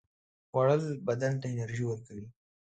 خوړل بدن ته انرژي ورکوي